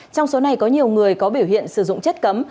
trong số này có nhiều người có biểu hiện sử dụng chất cấm